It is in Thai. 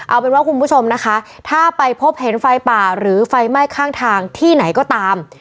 เอาเป็นว่าคุณผู้ชมนะคะถ้าไปพบเห็นไฟป่าหรือไฟไหม้ข้างทางที่ไหนก็ตาม